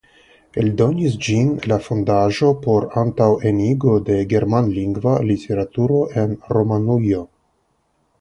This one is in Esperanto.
Eldonis ĝin la Fondaĵo por antaŭenigo de germanlingva literaturo en Rumanujo".